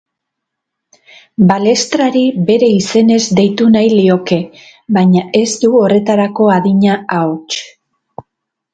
Balestrari bere izenez deitu nahi lioke, baina ez du horretarako adina ahots.